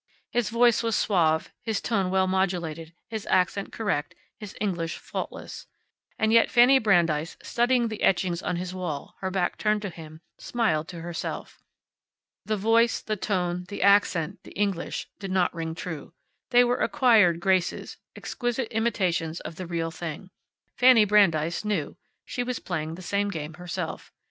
His voice was suave, his tone well modulated, his accent correct, his English faultless. And yet Fanny Brandeis, studying the etchings on his wall, her back turned to him, smiled to herself. The voice, the tone, the accent, the English, did not ring true They were acquired graces, exquisite imitations of the real thing. Fanny Brandeis knew. She was playing the same game herself.